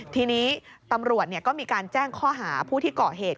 ทีนี้ตำรวจก็มีการแจ้งข้อหาผู้ที่เกาะเหตุ